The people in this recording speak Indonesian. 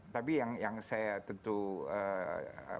tapi yang saya tentu catat adalah